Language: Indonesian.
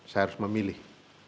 saya harus memilih